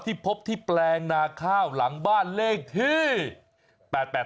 ที่พบที่แปลงนาข้าวหลังบ้านเลขที่๘๘ทับ๒แอ๊ดแอ๊ด